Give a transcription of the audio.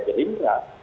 maka harus bergabung